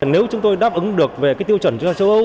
nếu chúng tôi đáp ứng được về tiêu chuẩn châu âu